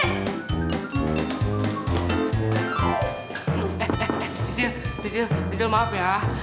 eh eh eh sisil sisil sisil maaf ya